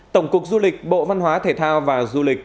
tổng cục du lịch bộ văn hóa thể thao và du lịch